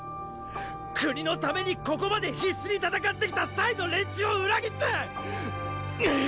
国のためにここまで必死に戦ってきたの連中を裏切って！